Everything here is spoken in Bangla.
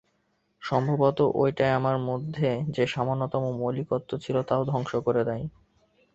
সম্ভবত ওটাই আমার মধ্যে যে সামান্যতম মৌলিকত্ব ছিল তাও ধ্বংস করে দেয়।